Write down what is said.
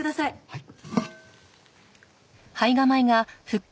はい。